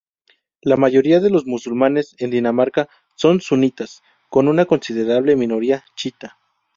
La mayoría de los musulmanes en Dinamarca son sunitas, con una considerable minoría chiita.